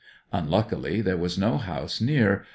Unluckily there was no house near.